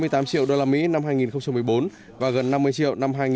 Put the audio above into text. bốn mươi tám triệu đô la mỹ năm hai nghìn một mươi bốn và gần năm mươi triệu đô la mỹ